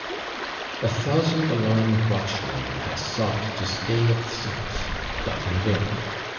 " A thousand alarmed watchmen have sought to stay it since, but in vain.